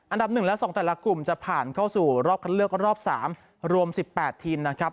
อันดับหนึ่งและสองแต่ละกลุ่มจะผ่านเข้าสู่รอบคันเลือกรอบสามรวมสิบแปดทีมนะครับ